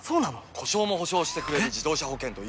故障も補償してくれる自動車保険といえば？